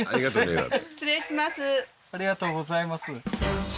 ありがとうございます